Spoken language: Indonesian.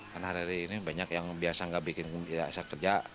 karena hari ini banyak yang biasa nggak bikin biasa kerja